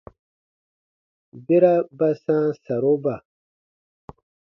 Bera ba sãa saroba.